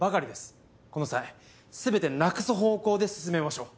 この際全てなくす方向で進めましょう。